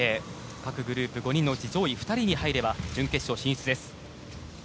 各グループのうち上位２人に入れば準決勝進出です。